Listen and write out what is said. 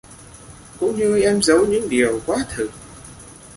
cũng như em dấu những điều quá thực...